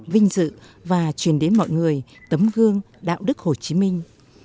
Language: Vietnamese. vinh dự và truyền đến mọi người tấm gương đạo đức hồ chí minh